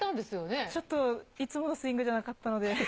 ちょっと、いつものスイングじゃなかったので。